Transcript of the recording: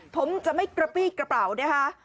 ผมจะไม่กระปี้กระเป๋านะคะ